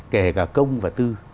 kể cả công và tư